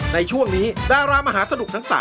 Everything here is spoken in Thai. ในช่วงนี้ดารามหาสนุกทั้ง๓